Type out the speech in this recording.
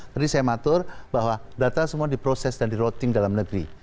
tadi saya matur bahwa data semua diproses dan di roating dalam negeri